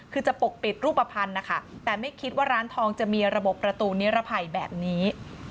คือจะปกปิดรูปภัณฑ์นะคะแต่ไม่คิดว่าร้านทองจะมีระบบประตูนิรภัยแบบนี้